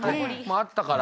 もあったから。